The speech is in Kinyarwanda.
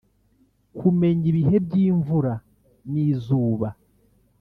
kumenya ibihe by’imvura n’izuba